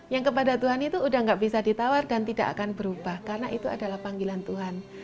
yang kepada tuhan itu udah gak bisa ditawar dan tidak akan berubah karena itu adalah panggilan tuhan